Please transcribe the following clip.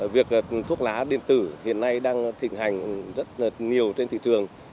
việc thuốc lá điện tử hiện nay đang thịnh hành rất nhiều trên thị trường